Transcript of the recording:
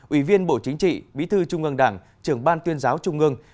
ủy viên bộ chính trị bí thư trung ương đảng trưởng ban tuyên giáo trung ương